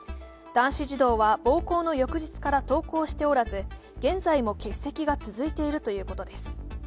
男子児童は暴行の翌日から登校しておらず、現在も欠席が続いているということです